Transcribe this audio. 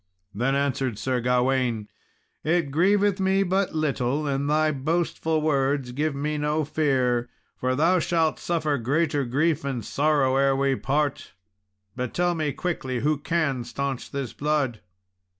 Then answered Sir Gawain, "It grieveth me but little, and thy boastful words give me no fear, for thou shalt suffer greater grief and sorrow ere we part; but tell me quickly who can staunch this blood."